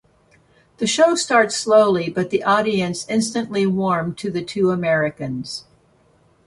The show starts slowly but the audience instantly warm to the two Americans.